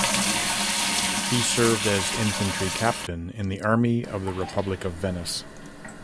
He served as infantry captain in the army of the Republic of Venice.